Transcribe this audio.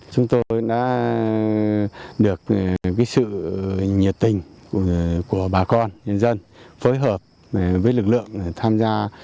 chúng tôi đã được sự nhiệt tình của bà con dân dân phối hợp với lực lượng tham gia